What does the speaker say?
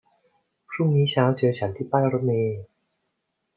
พรุ่งนี้เช้าเจอฉันที่ป้ายรถเมล์